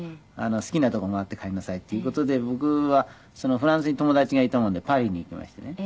好きなとこ回って帰りなさいっていう事で僕はフランスに友達がいたもんでパリに行きましてね。